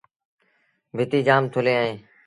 ڀتيٚن جآم ٿُلين اهيݩ۔